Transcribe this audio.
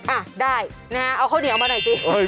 อ่ะได้นะฮะเอาข้าวเหนียวมาหน่อยสิ